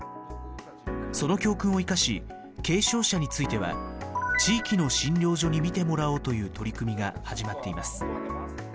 その教訓を生かし軽症者については地域の診療所に診てもらおうという取り組みが始まっています。